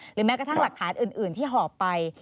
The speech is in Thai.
แม้กระทั่งหลักฐานอื่นที่หอบไป